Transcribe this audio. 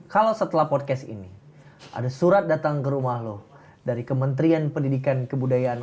kalau setelah podcast ini ada surat datang ke rumah loh dari kementerian pendidikan kebudayaan